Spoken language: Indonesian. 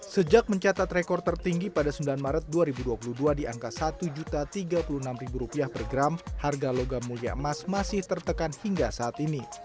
sejak mencatat rekor tertinggi pada sembilan maret dua ribu dua puluh dua di angka rp satu tiga puluh enam per gram harga logam mulia emas masih tertekan hingga saat ini